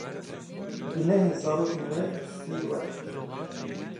Gunehê zarokên we di stûyên we de.